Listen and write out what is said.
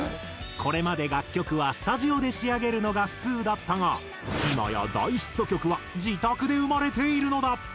これまで楽曲はスタジオで仕上げるのが普通だったが今や大ヒット曲は自宅で生まれているのだ！